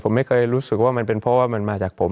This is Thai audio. ผมไม่เคยรู้สึกว่ามันเป็นเพราะว่ามันมาจากผม